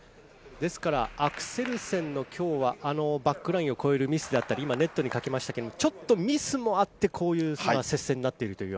ですからアクセルセンの今日はバックラインを越えるミスだったり、今ネットにかけましたけど、ちょっとミスもあって、こういう接戦になっている。